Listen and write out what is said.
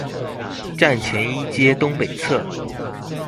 站前一街東北側